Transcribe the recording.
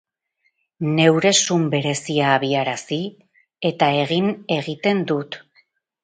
Neure Sun berezia abiarazi, eta egin egiten dut.